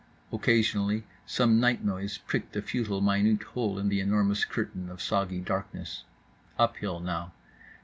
Occasionally some night noise pricked a futile, minute hole in the enormous curtain of soggy darkness. Uphill now.